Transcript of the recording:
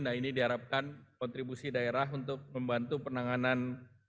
nah ini diharapkan kontribusi daerah untuk membantu penanganan